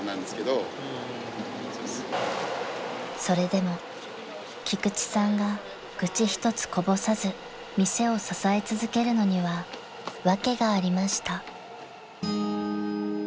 ［それでも菊池さんが愚痴一つこぼさず店を支え続けるのには訳がありました］